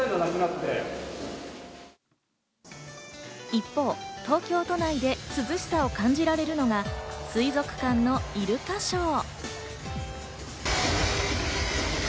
一方、東京都内で涼しさを感じられるのは水族館のイルカショー。